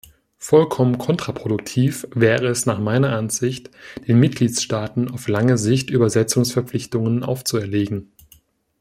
Vollkommen kontraproduktiv wäre es nach meiner Ansicht, den Mitgliedstaaten auf lange Sicht Übersetzungsverpflichtungen aufzuerlegen.